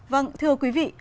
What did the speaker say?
vâng thưa quý vị